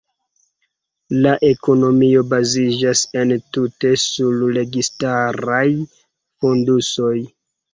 La ekonomio baziĝas entute sur registaraj fondusoj.